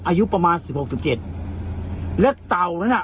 อายุประมาณสิบหกสิบเจ็ดและเต่านั้นอ่ะ